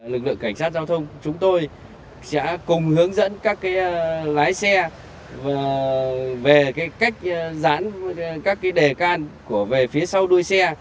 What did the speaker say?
lực lượng cảnh sát giao thông chúng tôi sẽ cùng hướng dẫn các lái xe về cách dán các cái đề can về phía sau đuôi xe